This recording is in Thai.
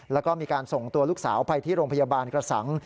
แล้วก็มีการส่งตัวลูกสาวไปที่โรงพยาบาลกระสัง